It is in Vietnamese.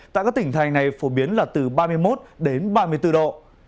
tại các tỉnh thành này phổ biến là từ ba mươi một đến ba mươi bốn độ